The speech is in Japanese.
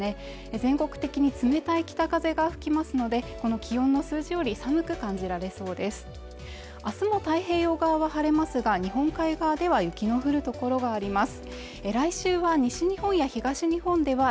全国的に冷たい北風が吹きますのでこの気温の数字より寒く感じられそうです明日も太平洋側は晴れますが日本海側では雪の降る所があります